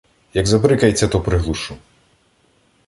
Як забрикається, то приглушу.